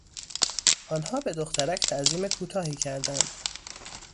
آنها به دخترک تعظیم کوتاهی کردند.